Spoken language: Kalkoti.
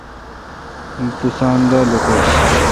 مہ توسان دا لوکٹ۔